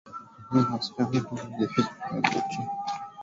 wachina walijificha kwenye boti chini ya blanketi